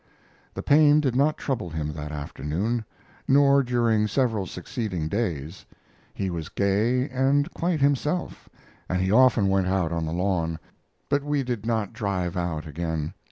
The pain did not trouble him that afternoon, nor during several succeeding days. He was gay and quite himself, and he often went out on the lawn; but we did not drive out again.